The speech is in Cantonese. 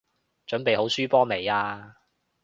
準備好輸波未啊？